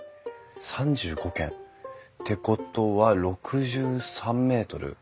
３５間。ってことは６３ｍ！